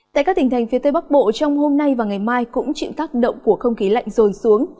tại các tỉnh thành phía tây bắc bộ trong hôm nay và ngày mai cũng chịu tác động của không khí lạnh rồn xuống